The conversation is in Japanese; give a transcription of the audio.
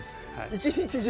一日中？